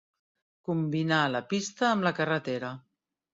Combinà la pista amb la carretera.